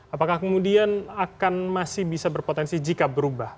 apakah kemudian akan masih bisa berpotensi jika berubah